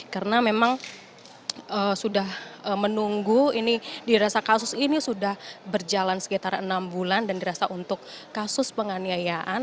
karena memang sudah menunggu ini dirasa kasus ini sudah berjalan sekitar enam bulan dan dirasa untuk kasus penganiayaan